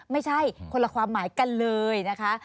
ไม่ใช่คนละความหมายกันเลยนะคะ